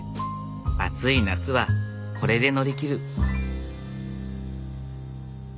暑い夏はこれで乗り切る。